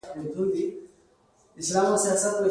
يوازې دا بسنه نه کوي چې وواياست زه ډېرې پيسې غواړم.